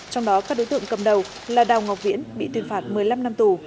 trong đó các đối tượng cầm đầu là đào ngọc viễn bị tuyên phạt một mươi năm năm tù